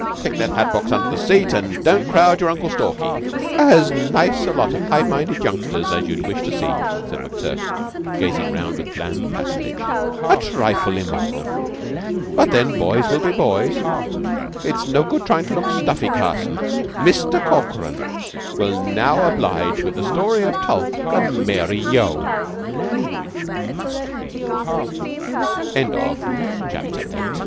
Kick that hat box under the seat, an' don't crowd your Uncle Stalky." "As nice a lot of high minded youngsters as you'd wish to see," said McTurk, gazing round with bland patronage. "A trifle immoral, but then boys will be boys. It's no good tryin' to look stuffy, Carson. Mister Corkran will now oblige with the story of Tulke an' Mary Yeo!" S